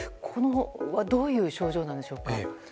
これはどういう症状なんでしょうか。